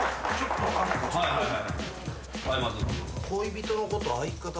恋人のこと相方。